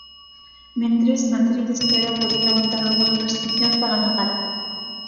Mentres, Madrid espera poder levantar algunhas restricións para o Nadal.